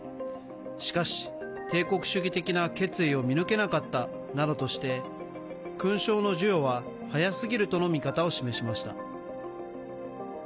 しかし、帝国主義的な決意を見抜けなかったなどとして勲章の授与は早すぎるとの見方を示しました。